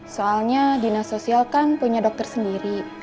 soalnya dinas sosial kan punya dokter sendiri